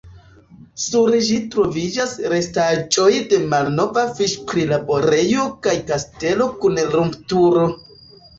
Sur ĝi troviĝas restaĵoj de malnova fiŝ-prilaborejo kaj kastelo kun lumturo.